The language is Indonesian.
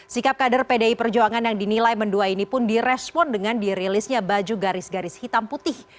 sikap kader pdi perjuangan yang dinilai mendua ini pun direspon dengan dirilisnya baju garis garis hitam putih